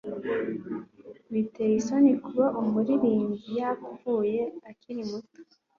Biteye isoni kuba umuririmbyi yapfuye akiri muto.